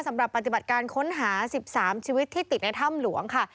สำหรับปฏิบัติการค้นหา๑๓ชีวิตที่ติดในถ้ำหลวงค่ะ